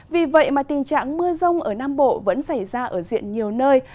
vì vậy mà tình trạng mưa rông ở nam bộ vẫn xảy ra ở diện nhiều nơi